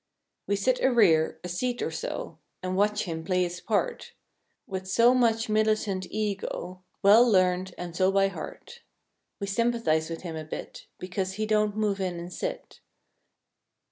We sit a rear, a seat or so. And watch him play his part With so much militant ego. Well learned and so by heart. We sympathize with him a bit Because he don't move in and sit.